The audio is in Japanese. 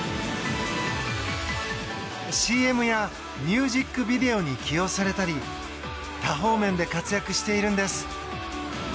ＣＭやミュージックビデオに起用されたり多方面で活躍しているんです。